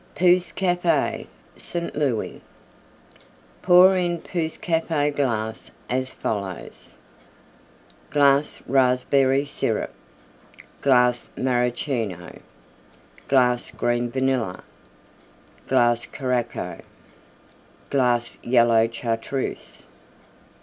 POUSSE CAFE St. Louis Pour in Pousse Cafe glass as follows: 1/6 glass Raspberry Syrup. 1/6 glass Maraschino. 1/6 glass Green Vanilla. 1/6 glass Curacao. 1/6 glass Yellow Chartreuse.